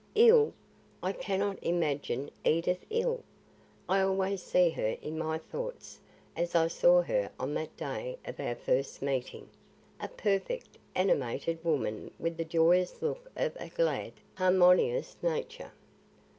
"Ill! I cannot imagine Edith ill. I always see her in my thoughts, as I saw her on that day of our first meeting; a perfect, animated woman with the joyous look of a glad, harmonious nature.